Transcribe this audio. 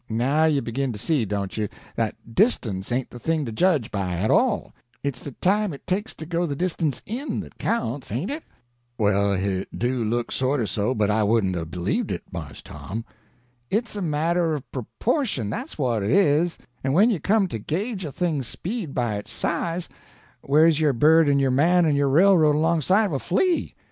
"Now you begin to see, don't you, that distance ain't the thing to judge by, at all; it's the time it takes to go the distance in that counts, ain't it?" "Well, hit do look sorter so, but I wouldn't 'a' b'lieved it, Mars Tom." [Illustration: "And where's your railroad, alongside of a flea?"] "It's a matter of proportion, that's what it is; and when you come to gauge a thing's speed by its size, where's your bird and your man and your railroad, alongside of a flea?